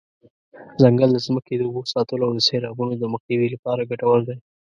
ځنګل د ځمکې د اوبو ساتلو او د سیلابونو د مخنیوي لپاره ګټور دی.